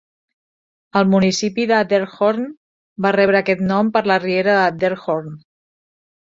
El municipi de Deerhorn va rebre aquest nom per la riera Deerhorn.